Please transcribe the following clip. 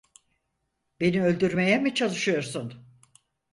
Beni öldürmeye mi çalışıyorsun?